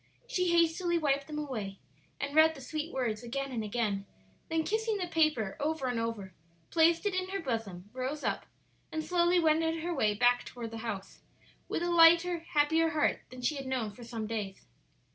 She hastily wiped them away and read the sweet words again and again; then kissing the paper over and over, placed it in her bosom, rose up, and slowly wended her way back toward the house, with a lighter, happier heart than she had known for some days.